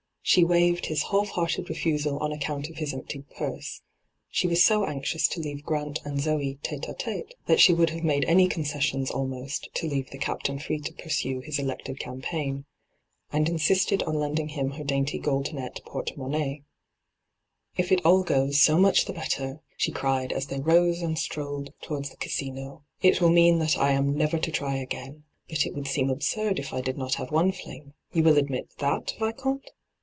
She waived his half hearted refusal on account of his emptied purse — she was so anxious to leave Grant and Zoe tite d^t6te that she would have made any concessions almost to leave the Captain free to pursue his elected campaign — and insisted on lending him her dainty gold net porte monnaie. ' If it all goes, so much the better I* she hyGoogIc 198 ENTRAPPED cried, as they rose and strolled towards the Casino. ' It will mean that I am never to try ^ain. But it would seem absurd if I did not have one fling — yoa will admit that, Vieomte?